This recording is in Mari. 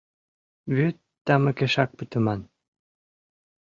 Вӱд тамыкешак пытыман.